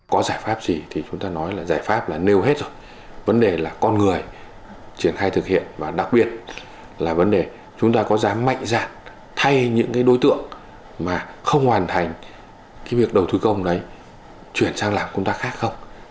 có giải pháp gì thì chúng ta nói là giải pháp là nêu hết rồi vấn đề là con người triển khai thực hiện và đặc biệt là vấn đề chúng ta có dám mạnh dạng thay những cái đối tượng mà không hoàn thành cái việc đầu tư công đấy chuyển sang làm công tác khác không